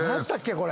これ。